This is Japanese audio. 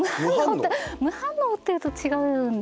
無反応っていうと違うんでしょうかね。